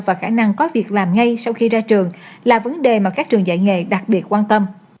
và khả năng có việc làm ngay sau khi ra trường là vấn đề mà các trường dạy nghề đặc biệt quan tâm